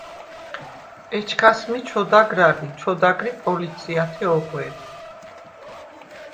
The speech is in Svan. ეჩქას მი ჩოდაგრ ალი, ჩოდაგრ ი პოლიციათე ოღუ̂ერ.